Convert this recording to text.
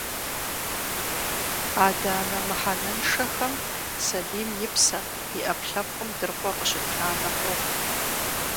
Адэ-анэ мыхьэнэншэхэм сабийм и псэм, и ӏэпкълъэпкъым дыркъуэ къыщытранэ къохъу.